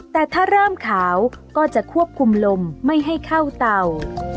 แต่ถ้าเริ่มขาวก็จะควบคุมลมไม่ให้เข้าเตา